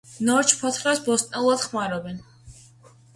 ნორჩ ფოთლებს ბოსტნეულად ხმარობენ.